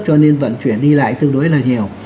cho nên vận chuyển đi lại tương đối là nhiều